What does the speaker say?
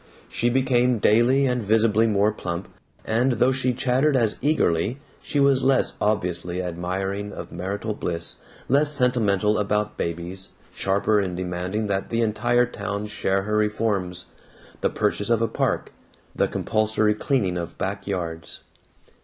She became daily and visibly more plump, and though she chattered as eagerly, she was less obviously admiring of marital bliss, less sentimental about babies, sharper in demanding that the entire town share her reforms the purchase of a park, the compulsory cleaning of back yards.